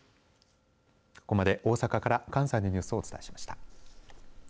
ここまで大阪から関西のニュースをお伝えしました。